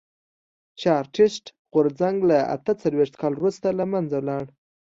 چارټېست غورځنګ له اته څلوېښت کال وروسته له منځه لاړ.